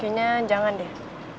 kayaknya jangan deh